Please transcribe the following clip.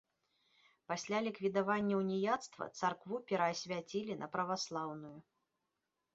Пасля ліквідавання ўніяцтва царкву пераасвяцілі на праваслаўную.